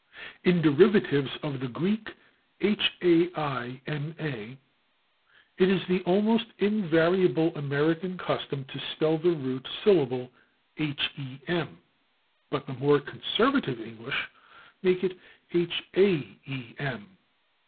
In derivatives of the Greek /haima/ it is the almost invariable American custom to spell the root syllable /hem/, but the more conservative English make it /haem/ /e.